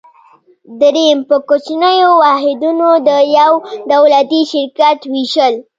دریم: په کوچنیو واحدونو د یو دولتي شرکت ویشل.